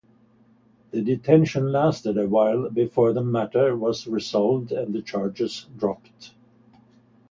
The detention lasted a while before the matter was resolved and the charges dropped.